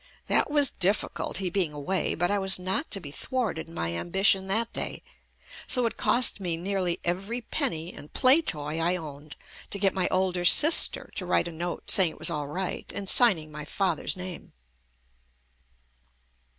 That w r as difficult, he being away, but I was not to be thwarted in my ambition that day, so it cost me nearly every penny and play toy I owned to get my older sister to write a note saying it was all right and signing my father's name.